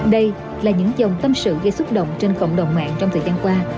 đây là những dòng tâm sự gây xúc động trên cộng đồng mạng trong thời gian qua